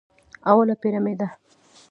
اوله پېره مې ده.